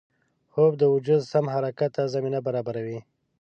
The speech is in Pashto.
خوب د وجود سم حرکت ته زمینه برابروي